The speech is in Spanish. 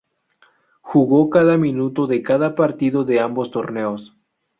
Jugó cada minuto de cada partido de ambos torneos.